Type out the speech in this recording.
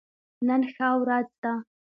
نن ښه ورځ ده